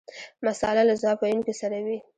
مساله له ځواب ویونکي سره وي.